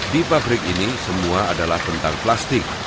di pabrik ini semua adalah bentang plastik